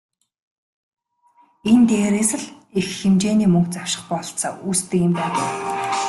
Энэ дээрээс л их хэмжээний мөнгө завших бололцоо үүсдэг юм байна.